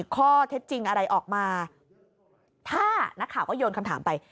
ข้อเท็จจริงอะไรออกมาถ้านักข่าวก็โยนคำถามไป